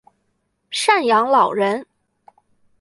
赡养老人